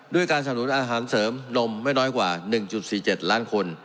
ด้วยการสนุนอาหารเสริมนมไม่น้อยกว่า๑๔๗ล้านคน